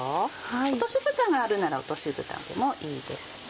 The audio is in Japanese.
落としぶたがあるなら落としぶたでもいいです。